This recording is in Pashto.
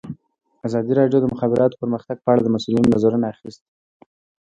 ازادي راډیو د د مخابراتو پرمختګ په اړه د مسؤلینو نظرونه اخیستي.